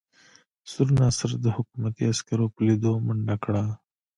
سور ناصر د حکومتي عسکرو په لیدو منډه کړه.